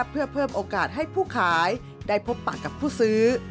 เพื่อเพิ่มโอกาสให้ผู้ขายได้พบปะกับผู้ซื้อ